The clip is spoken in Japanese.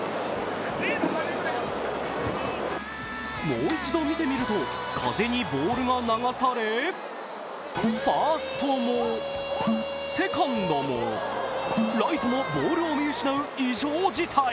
もう一度見てみると風にボールが流されてファーストも、セカンドも、ライトもボールを見失う異常事態。